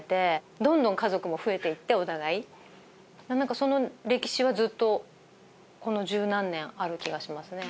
その歴史はずっとこの１０何年ある気がしますね。